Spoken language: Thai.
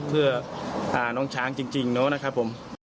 เพื่อน้องช้างจริงนะครับผม